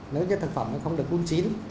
nếu như thực phẩm thì không được cung chín